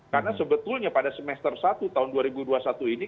karena sebetulnya pada semester satu tahun dua ribu dua puluh satu ini